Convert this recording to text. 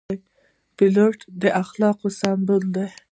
پیلوټ د اخلاقو سمبول دی.